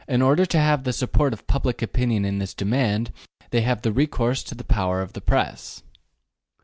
In order to have the support of public opinion in this demand they have recourse to the power of the Press.